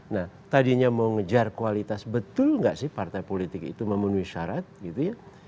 nah tadinya mau ngejar kualitas betul nggak sih partai politik itu memenuhi syarat gitu ya